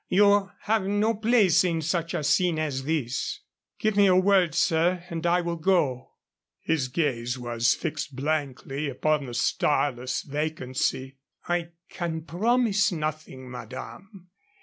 You have no place in such a scene as this." "Give me a word, sir, and I will go." His gaze was fixed blankly upon the starless vacancy. "I can promise nothing, madame.